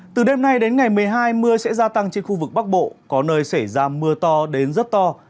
từ đêm nay đến ngày một mươi hai mưa sẽ gia tăng trên khu vực bắc bộ có nơi xảy ra mưa to đến rất to